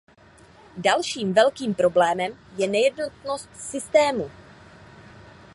Dalším velkým problémem je nejednotnost systému.